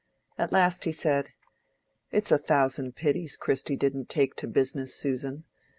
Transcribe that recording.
At last he said— "It's a thousand pities Christy didn't take to business, Susan.